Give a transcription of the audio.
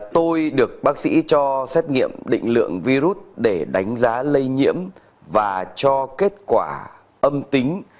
tôi được bác sĩ cho xét nghiệm định lượng virus để đánh giá lây nhiễm và cho kết quả âm tính